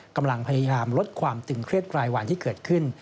กำลังพยายามลดความตึงเครียดรายวันที่เกิดขึ้น